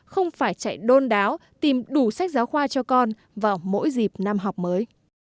không phải chạy đôn đáo tìm đủ sách giáo khoa cho con vào mỗi dịp năm học mới